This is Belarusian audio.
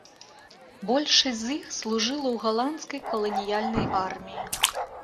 Большасць з іх служыла ў галандскай каланіяльнай арміі.